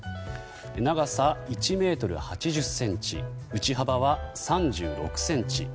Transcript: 長さ１ｍ８０ｃｍ内幅は３６ｃｍ。